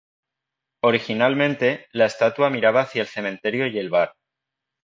Originalmente, la estatua miraba hacia el cementerio y el bar.